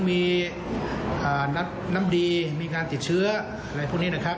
มีนัดน้ำดีมีการติดเชื้ออะไรพวกนี้นะครับ